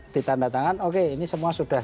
ditanda tangan oke ini semua sudah